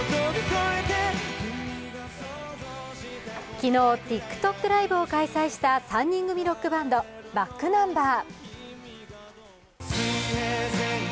昨日、ＴｉｋＴｏｋＬＩＶＥを開催した３人組ロックバンドｂａｃｋｎｕｍｂｅｒ。